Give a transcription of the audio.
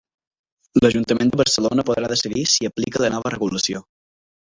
L'Ajuntament de Barcelona podrà decidir si aplica la nova regulació.